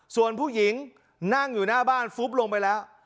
ส่วนผู้หญิงนั่งอยู่หน้าบ้านฟุบลงไปแล้ว